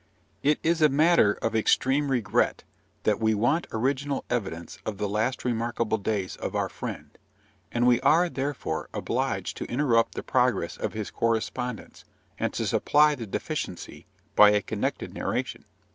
It is a matter of extreme regret that we want original evidence of the last remarkable days of our friend; and we are, therefore, obliged to interrupt the progress of his correspondence, and to supply the deficiency by a connected narration.